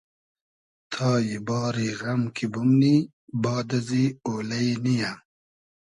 تای باری غئم کی بومنی باد ازی اۉلݷ نییۂ